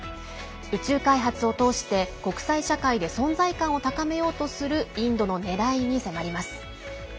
宇宙開発を通して、国際社会で存在感を高めようとするインドのねらいに迫ります。